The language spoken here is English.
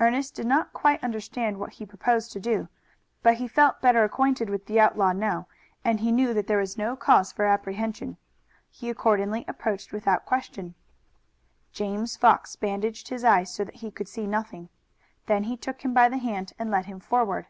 Ernest did not quite understand what he proposed to do, but he felt better acquainted with the outlaw now, and he knew that there was no cause for apprehension. He accordingly approached without question. James Fox bandaged his eyes so that he could see nothing. Then he took him by the hand and led him forward.